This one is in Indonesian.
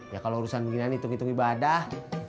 ya kalau urusan beginian hitung hitung ibadah